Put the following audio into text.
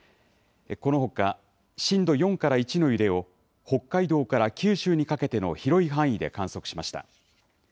このほか震度４から１の揺れを北海道から九州にかけての広い範囲で観測しました。